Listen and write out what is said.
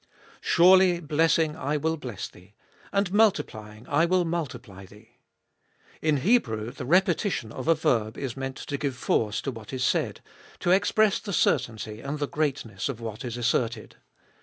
Surely blessing I will bless thee, and multiplying I will multiply thee. In Hebrew the repetition of a verb is meant to give force to what is said, to express the certainty and the greatness of what is asserted.